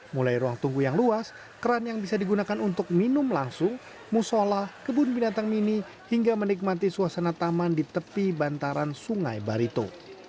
mulai ruang tunggu yang luas keran yang bisa digunakan untuk minum langsung musola kebun binatang mini hingga menikmati suasana taman di tepi bantaran sungai barito